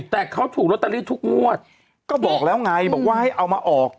แต่เขาถูกลอตเตอรี่ทุกงวดก็บอกแล้วไงบอกว่าให้เอามาออก